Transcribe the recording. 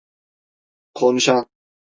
Konuşan…